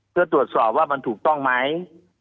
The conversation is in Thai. เพื่อตรวจสอบว่ามันถูกต้องไหม